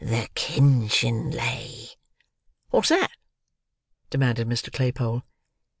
"The kinchin lay." "What's that?" demanded Mr. Claypole.